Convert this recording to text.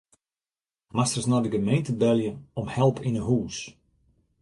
Moast ris mei de gemeente belje om help yn 'e hûs.